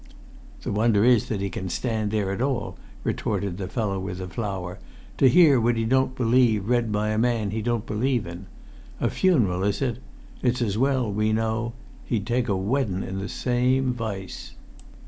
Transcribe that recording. "The wonder is that he can stand there at all," retorted the fellow with the flower, "to hear what he don't believe read by a man he don't believe in. A funeral, is it? It's as well we know—he'd take a weddun in the same voice."